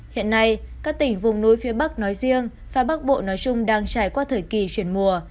hiện nay các tỉnh vùng núi phía bắc nói riêng và bắc bộ nói chung đang trải qua thời kỳ chuyển mùa